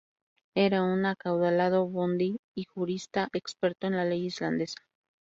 Era un acaudalado bóndi y jurista experto en la ley islandesa.